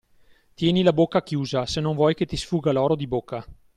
Tieni la bocca chiusa, se non vuoi che ti sfugga l'oro di bocca.